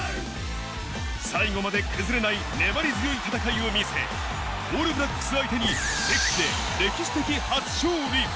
最後まで崩れない粘り強い戦いを見せ、オールブラックス相手に敵地で歴史的初勝利。